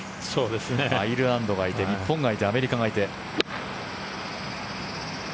アイルランドがいて日本がいてアメリカがいて。